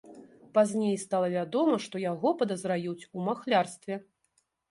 Пазней стала вядома, што яго падазраюць у махлярстве.